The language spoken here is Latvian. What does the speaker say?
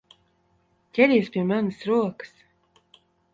Ķeries pie manas rokas!